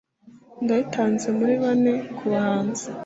Ndayitanze muri bane kubahanzi